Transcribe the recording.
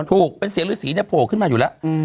ถูกเป็นเสียงฤษีเนี่ยโผล่ขึ้นมาอยู่แล้ว